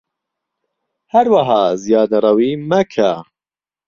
هەروەها زیادەڕەویی مەکە